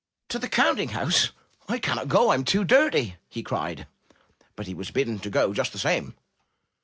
'To the counting house! I cannot go! I am too dirty!'' he cried. But he was bidden to go just the same.